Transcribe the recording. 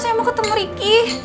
saya mau ketemu riki